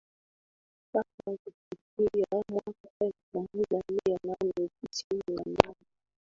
mpaka kufikia mwaka elfu moja mia nane tisini na nane